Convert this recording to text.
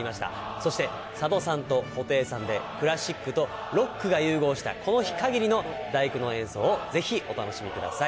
そして佐渡さんと布袋さんで、クラシックとロックが融合したこの日限りの第九の演奏をぜひお楽しみください。